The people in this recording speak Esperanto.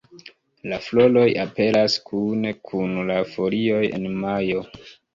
La floroj aperas kune kun la folioj en majo.